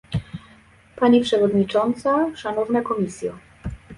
Pani przewodnicząca, szanowna Komisjo